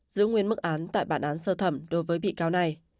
giữ nguyên mức án tại bản án sơ thẩm đối với bị cáo này